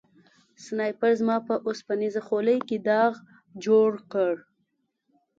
سنایپر زما په اوسپنیزه خولۍ کې داغ جوړ کړ